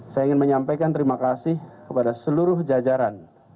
saya ingin menyampaikan terima kasih kepada seluruh jajaran